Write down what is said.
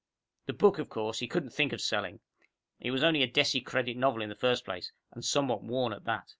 The book, of course, he couldn't think of selling. It was only a decicredit novel in the first place, and somewhat worn at that.